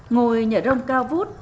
ngôi nhà rông cao vút